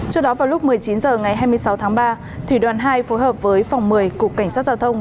trước đó vào lúc một mươi chín h ngày hai mươi sáu tháng ba thủy đoàn hai phối hợp với phòng một mươi cục cảnh sát giao thông